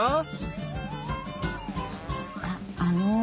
あっあの。